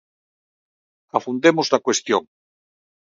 Afondemos na cuestión.